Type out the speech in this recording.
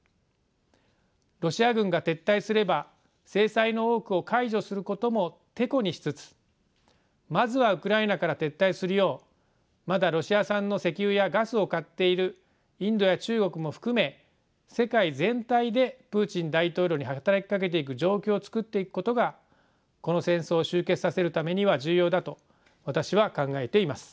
ロシア軍が撤退すれば制裁の多くを解除することもてこにしつつまずはウクライナから撤退するようまだロシア産の石油やガスを買っているインドや中国も含め世界全体でプーチン大統領に働きかけていく状況を作っていくことがこの戦争を終結させるためには重要だと私は考えています。